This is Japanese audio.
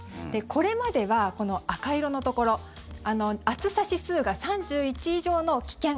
これまでは、この赤色のところ暑さ指数が３１以上の危険